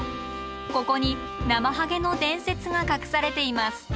ここにナマハゲの伝説が隠されています。